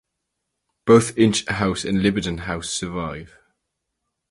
Both Inch House and Liberton House survive.